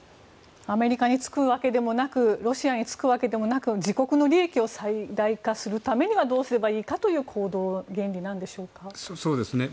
アメリカにつくわけでもなくロシアにつくわけでもなく自国の利益を最大化させるためにはどうすればいいかという行動原理なんでしょうかね。